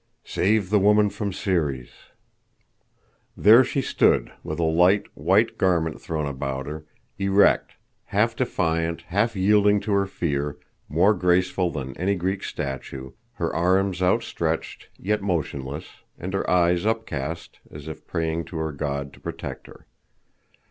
Save the Woman from Ceres! There she stood, with a light, white garment thrown about her, erect, half defiant, half yielding to her fear, more graceful than any Greek statue, her arms outstretched, yet motionless, and her eyes upcast, as if praying to her God to protect her.